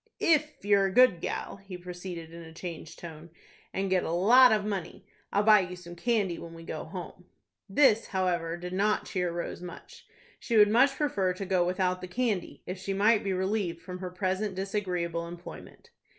"If you're a good gal," he proceeded, in a changed tone, "and get a lot of money, I'll buy you some candy when we go home." This, however, did not cheer Rose much. She would much prefer to go without the candy, if she might be relieved from her present disagreeable employment.